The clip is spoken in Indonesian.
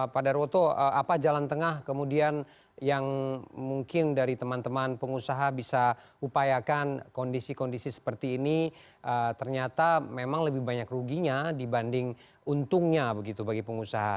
pak darwoto apa jalan tengah kemudian yang mungkin dari teman teman pengusaha bisa upayakan kondisi kondisi seperti ini ternyata memang lebih banyak ruginya dibanding untungnya begitu bagi pengusaha